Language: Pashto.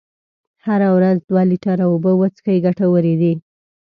هره ورځ دوه لیتره اوبه وڅښئ ګټورې دي.